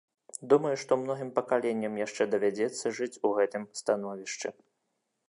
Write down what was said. Думаю, што многім пакаленням яшчэ давядзецца жыць у гэтым становішчы.